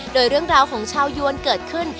โดยเรื่องราวของชาวยวนเกิดขึ้น